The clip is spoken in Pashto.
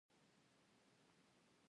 عسکر د مېز په سر ځینې اسناد کېښودل او ووت